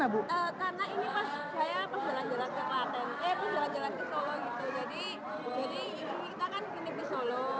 eh pas jalan jalan ke solo gitu